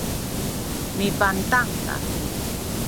mipantang kami